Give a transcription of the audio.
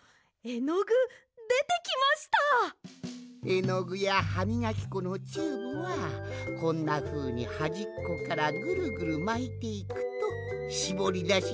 えのぐやはみがきこのチューブはこんなふうにはじっこからぐるぐるまいていくとしぼりだしやすいんじゃ。